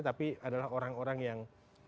tapi adalah orang orang yang